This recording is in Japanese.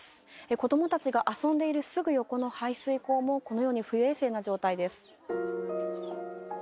子どもたちが遊んでいるすぐ横の排水溝も、このように不衛生な状態です。